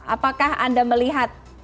apakah anda melihat